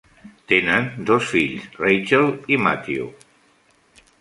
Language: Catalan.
Tenen dos fills, Rachel i Matthew.